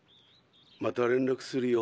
また連絡するよ。